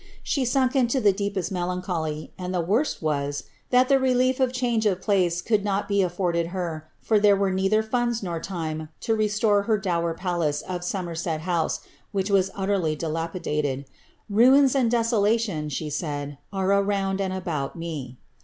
* She sunk into the deepest melancholv, and the ^orst was, that the relief of change of place could not be afforded her, for there were neither funds or time to restore her dower palace of So merset House, which was utterly dilapidated. ^ Ruins and desolation,' ihe said, ^ are around and about me.'